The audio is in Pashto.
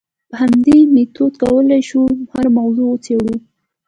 په همدې میتود کولای شو هره موضوع وڅېړو.